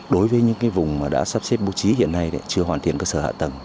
đối với những vùng mà đã sắp xếp bố trí hiện nay chưa hoàn thiện cơ sở hạ tầng